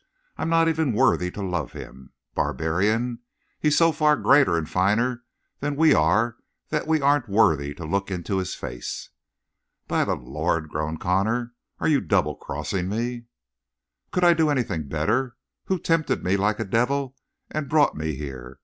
I'm not even worthy to love him! Barbarian? He's so far greater and finer than we are that we aren't worthy to look in his face!" "By the Lord!" groaned Connor. "Are you double crossing me?" "Could I do anything better? Who tempted me like a devil and brought me here?